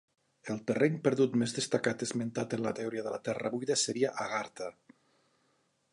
El terreny perdut més destacat esmentat en la teoria de la terra buida seria Agartha.